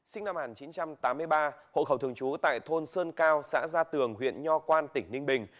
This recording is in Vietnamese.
sinh năm một nghìn chín trăm tám mươi ba hộ khẩu thường trú tại thôn sơn cao xã gia tường huyện nho quan tỉnh ninh bình